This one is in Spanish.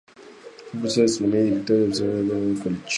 Fue profesor de astronomía y director del observatorio de Amherst College.